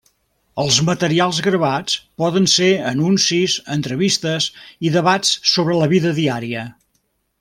Els materials gravats poden ser anuncis, entrevistes i debats sobre la vida diària.